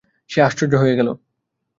সে আশ্চর্য হয়ে গেল।